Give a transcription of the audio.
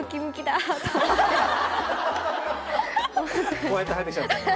こうやって入ってきちゃった。